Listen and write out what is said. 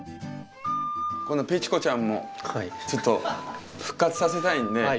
このペチュ子ちゃんもちょっと復活させたいんで。